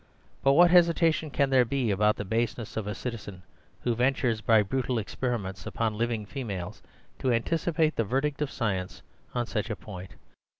But what hesitation can there be about the baseness of a citizen who ventures, by brutal experiments upon living females, to anticipate the verdict of science on such a point?